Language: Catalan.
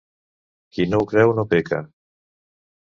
Qui no ho creu no peca.